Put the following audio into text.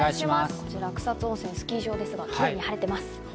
こちら草津温泉スキー場ですが、キレイに晴れてます。